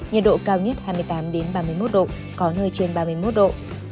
nhiệt độ cao nhất hai mươi tám ba mươi một độ có nơi trên ba mươi một độ